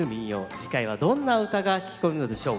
次回はどんな唄が聞こえるのでしょう。